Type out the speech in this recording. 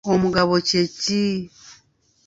Omugabo kye ki?